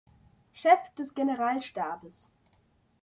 Chef des Generalstabes.